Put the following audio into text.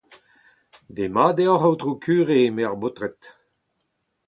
Demat deoc’h, aotrou kure ! eme ar baotred.